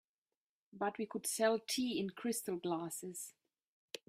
But we could sell tea in crystal glasses.